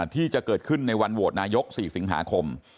ที่จะเกิดขึ้นในวันโหวตนายก๔สิงหาคม